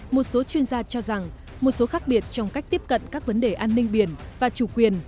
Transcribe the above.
một số chuyên gia cho rằng một số khác biệt trong cách tiếp cận các vấn đề an ninh biển và chủ quyền